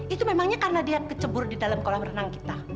itu memangnya karena dia kecebur di dalam kolam renang kita